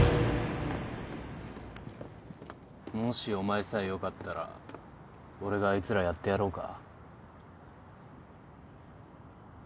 もしお前さえよかったら俺があいつらやってやろうか？